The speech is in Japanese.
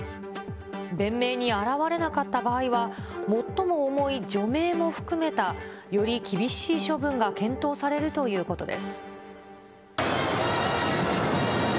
弁明に現れなかった場合は、最も重い除名も含めた、より厳しい処分が検討されるということです。